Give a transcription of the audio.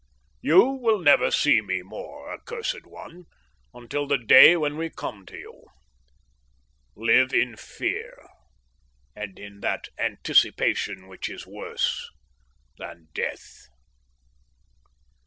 "You will never see me more, accursed one, until the day when we come for you. Live in fear, and in that anticipation which is worse than death."